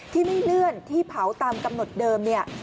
ที่ไม่เลื่อนที่เผาตามกำหนดเดิมเนี่ย